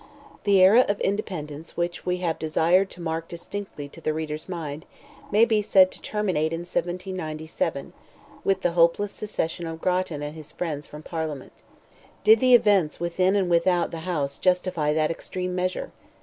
The era of independence which we have desired to mark distinctly to the reader's mind, may be said to terminate in 1797, with the hopeless secession of Grattan and his friends from Parliament. Did the events within and without the House justify that extreme measure?